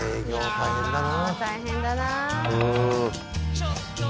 大変だな。